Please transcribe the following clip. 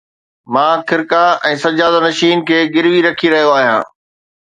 مان خرقه ۽ سجاده نشين کي گروي رکي رهيو آهيان